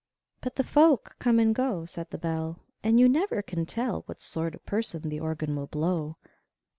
But the folk come and go, Said the Bell, And you never can tell What sort of person the Organ will blow!